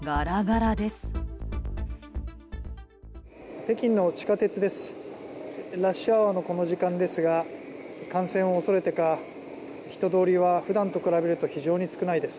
ラッシュアワーのこの時間ですが感染を恐れてか、人通りは普段と比べると非常に少ないです。